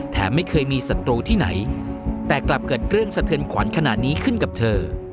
ไม่เคยมีศัตรูที่ไหนแต่กลับเกิดเรื่องสะเทือนขวัญขนาดนี้ขึ้นกับเธอ